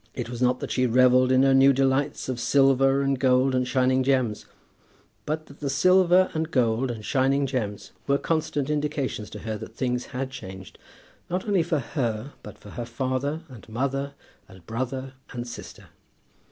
It was not that she revelled in her new delights of silver and gold and shining gems: but that the silver and gold and shining gems were constant indications to her that things had changed, not only for her, but for her father and mother, and brother and sister.